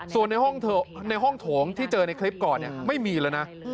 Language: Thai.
ส่วนในห้องโถงที่เจอในคลิปก่อนไม่มีแล้วนะ